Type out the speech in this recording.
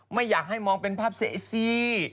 ไม่อยากให้มองเป็นภาพเซเอซี่